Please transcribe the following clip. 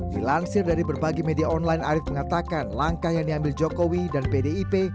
dilansir dari berbagai media online arief mengatakan langkah yang diambil jokowi dan pdip